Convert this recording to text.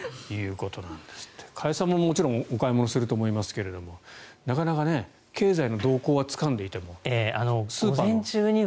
加谷さんももちろんお買い物すると思いますがなかなか経済の動向はつかんでいても、スーパーは。